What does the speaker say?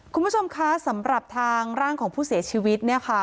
คุณผู้ชมคะสำหรับทางร่างของผู้เสียชีวิตเนี่ยค่ะ